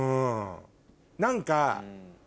何か。